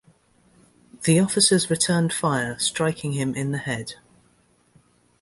The officers returned fire, striking him in the head.